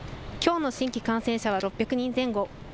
きょうの新規感染者は６００人前後。